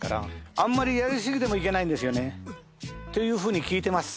あんまりやりすぎてもいけないんですよね。というふうに聞いてます。